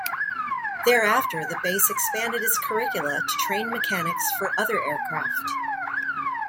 Thereafter, the base expanded its curricula to train mechanics for other aircraft.